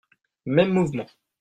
Mêmes mouvements.